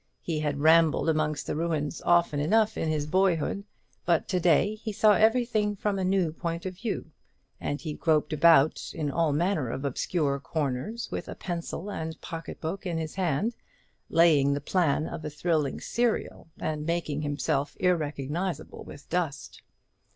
He had rambled amongst the ruins often enough in his boyhood; but to day he saw everything from a new point of view, and he groped about in all manner of obscure corners, with a pencil and pocket book in his hand, laying the plan of a thrilling serial, and making himself irrecognizable with dust.